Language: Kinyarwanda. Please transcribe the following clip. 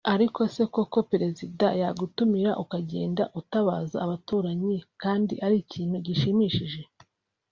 Ariko se koko Perezida yagutumira ukagenda utabaza abaturanyi kandi ari ikintu gishimishije